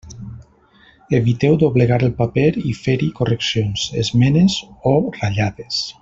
Eviteu doblegar el paper i fer-hi correccions, esmenes o ratllades.